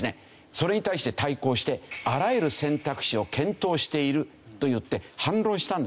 それに対して対抗して「あらゆる選択肢を検討している」と言って反論したんですよ。